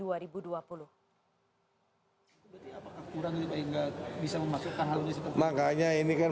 apakah kurang ini pak yang gak bisa memakai kandungan